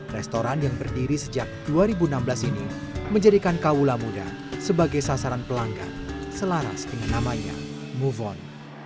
restoran yang berdiri sejak dua ribu enam belas ini menjadikan kaula muda sebagai sasaran pelanggan selaras dengan namanya move on